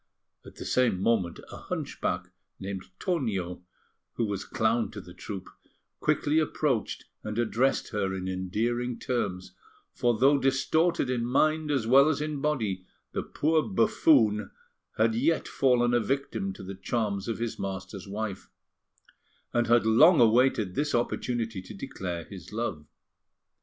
At the same moment, a hunchback named Tonio, who was clown to the troupe, quickly approached and addressed her in endearing terms; for, though distorted in mind as well as in body, the poor buffoon had yet fallen a victim to the charms of his master's wife, and had long awaited this opportunity to declare his love.